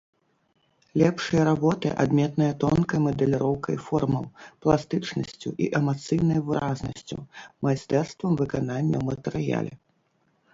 Лепшыя работы адметныя тонкай мадэліроўкай формаў, пластычнасцю і эмацыйнай выразнасцю, майстэрствам выканання ў матэрыяле.